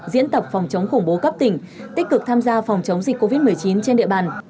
diễn tập phòng chống khủng bố cấp tỉnh tích cực tham gia phòng chống dịch covid một mươi chín trên địa bàn